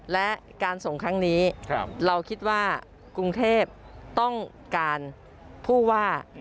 และการส่งครั้งนี้เราคิดว่ากรุงเทพต้องการผู้ว่า